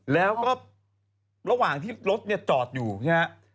แล้วก็ระหว่างที่รถเนี่ยจอดอยู่ใช่ไหม